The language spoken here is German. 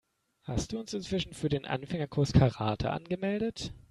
Hast du uns inzwischen für den Anfängerkurs Karate angemeldet?